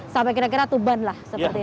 sampai kira kira tuban lah